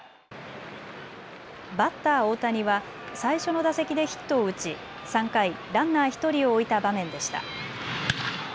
バッター大谷は最初の打席でヒットを打ち３回、ランナー１人を置いた場面でした。